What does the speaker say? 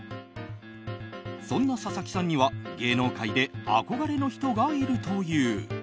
そんな佐々木さんには芸能界で憧れの人がいるという。